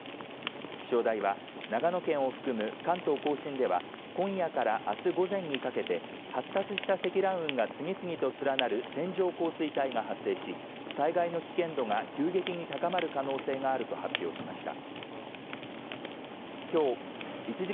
気象台は長野県を含む関東甲信では今夜からあす午前にかけて発達した積乱雲が次々と連なる線状降水帯が発生し災害の危険度が急激に高まる可能性があると発表しました。